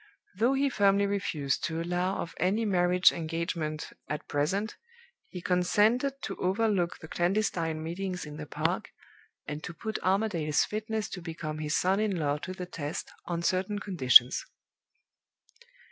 Though he firmly refused to allow of any marriage engagement at present, he consented to overlook the clandestine meetings in the park, and to put Armadale's fitness to become his son in law to the test, on certain conditions.